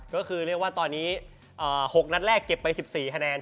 ก็คือเรียกว่าตอนนี้๖นัดแรกเก็บไป๑๔คะแนน